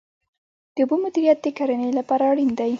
د اوبو مدیریت د کرنې لپاره اړین دی